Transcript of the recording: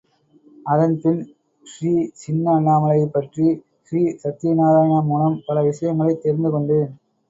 அதன் பின் ஸ்ரீ சின்ன அண்ணாமலையைப் பற்றி ஸ்ரீ சத்யநாராயணா மூலம் பல விஷயங்களைத் தெரிந்து கொண்டேன்.